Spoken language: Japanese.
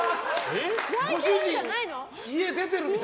ご主人、家出てるみたい。